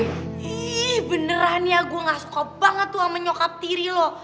ih beneran ya gue gak suka banget tuh sama nyokap tiri lo